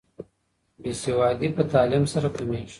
بې سوادي په تعلیم سره کمیږي.